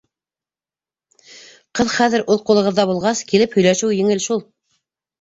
Ҡыҙ хәҙер үҙ ҡулығыҙҙа булғас, килеп һөйләшеүе еңел шул!